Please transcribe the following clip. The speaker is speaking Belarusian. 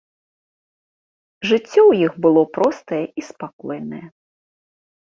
Жыццё ў іх было простае і спакойнае.